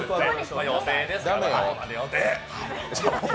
予定ですから、予定！